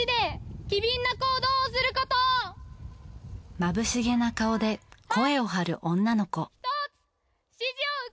まぶしげな顔で声を張る女の子。